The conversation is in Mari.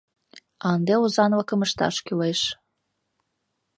А ынде озанлыкым ышташ кӱлеш.